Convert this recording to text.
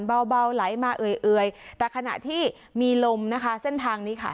เบาไหลมาเอ่ยแต่ขณะที่มีลมนะคะเส้นทางนี้ค่ะ